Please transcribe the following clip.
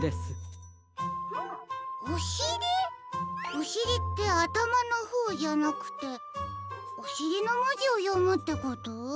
おしりってあたまのほうじゃなくておしりのもじをよむってこと？